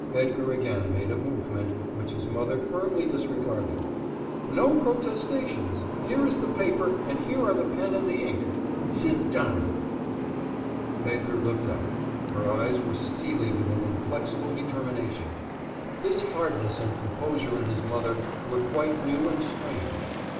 Edgar again made a movement, which his mother firmly disregarded. "No protestations. Here is the paper, and here are the pen and the ink. Sit down." Edgar looked up. Her eyes were steely with an inflexible determination. This hardness and composure in his mother were quite new and strange.